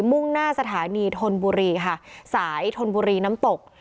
มุ่งหน้าสถานีธนบุรีค่ะสายธนบุรีน้ำตก